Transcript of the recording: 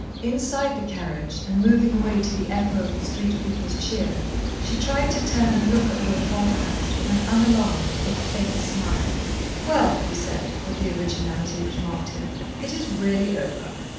Inside the carriage, and moving away to the echo of the street people's cheer, she tried to turn and look at Lord Walderhurst with an unalarmed, if faint, smile. "Well," he said, with the originality which marked him, "it is really over!"